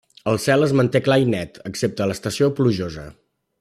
El cel es manté clar i net, excepte a l'estació plujosa.